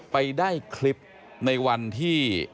ไปได้คลิปในวันที่